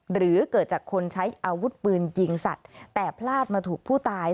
หรือเกิดจากคนใช้อาวุธปืนยิงสัตว์แต่พลาดมาถูกผู้ตาย